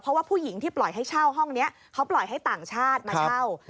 เพราะว่าผู้หญิงที่ปล่อยให้เช่าห้องนี้เขาปล่อยให้ต่างชาติมาเช่า